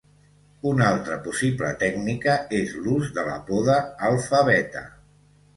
Una altra possible tècnica és l'ús de la poda alfa-beta.